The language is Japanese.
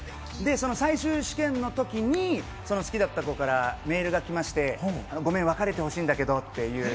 最終試験のときにその好きだった子からメールが来まして、ごめん、別れてほしいんだけどっていう。